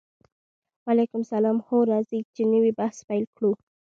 وعلیکم السلام هو راځئ چې نوی بحث پیل کړو